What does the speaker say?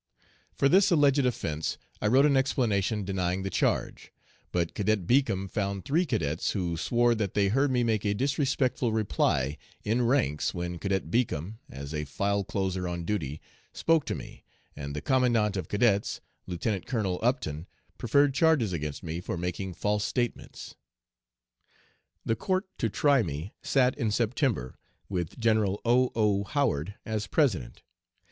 For this alleged offence I wrote an explanation denying the charge; but Cadet Beacom found three cadets who swore that they heard me make a disrespectful reply in ranks when Cadet Beacom, as a file closer on duty, spoke to me, and the Commandant of Cadets, Lieutenant Colonel Upton, preferred charges against me for making false statements. "The court to try me sat in September, with General O. O. Howard as President.